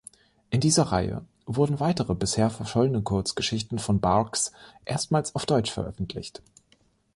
In dieser Reihe wurden weitere, bisher verschollene Kurzgeschichten von Barks erstmals auf deutsch veröffentlicht.